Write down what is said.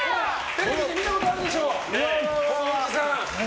テレビで見たことあるでしょ。